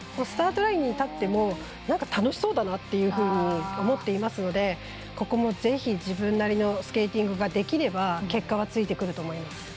スタートラインに立ってもなんか楽しそうだなというふうに思っていますのでここもぜひ、自分なりのスケーティングができれば結果はついてくると思います。